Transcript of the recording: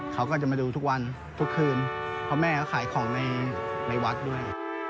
เขาก็จะมาดูทุกวันทุกคืนเพราะแม่เขาขายของในวัดด้วย